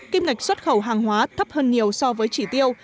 kim ngạch xuất khẩu hàng hóa thấp hơn nhiều so với chỉ tiêu